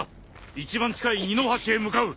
一番近い二の橋へ向かう！